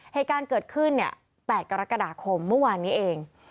เหตุการณ์เกิดขึ้นเนี่ย๘กรกฎาคมเมื่อวานนี้เอง